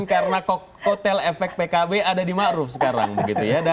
karena kotel efek pkb ada di ma'ruf sekarang